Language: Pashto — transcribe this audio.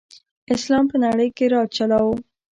اسلام په نړۍ راج چلاؤ.